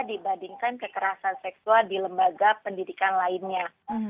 dibandingkan kekerasan seksual di lembaga pendidikan lainnya